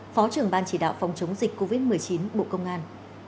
phó trưởng ban chỉ đạo phòng chống dịch covid một mươi chín bộ công an